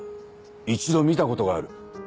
一度見たことがある。